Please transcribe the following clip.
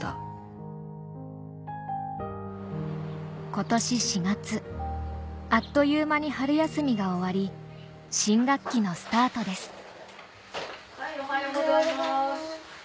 今年４月あっという間に春休みが終わり新学期のスタートです・おはようございます・おはようございます。